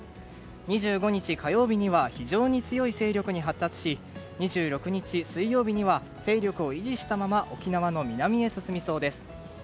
２５日火曜日には非常に強い勢力に発達し２６日水曜日には勢力を維持したまま沖縄の南へ進みそうです。